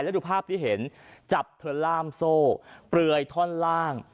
แล้วดูภาพที่เห็นจับเธอล่ามโซ่เปลือยท่อนล่าง